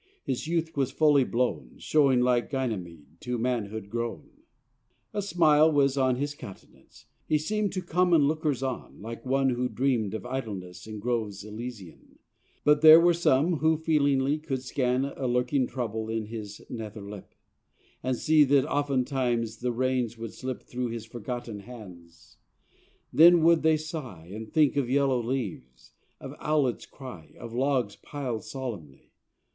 His youth was fully blown, Showing like Ganymede to manhood grown; "A smile was on his countenance; he seem'd To common lookers on like one who dream'd Of idleness in groves Elysian; But there were some who feelingly could scan A lurking trouble in his nether lip, And see that oftentimes the reins would slip Through his forgotten hands: then would they sigh, And think of yellow leaves, of owlets' cry, Of logs piled solemnly.